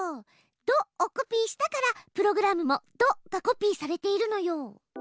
「ド」をコピーしたからプログラムも「ド」がコピーされているのよ。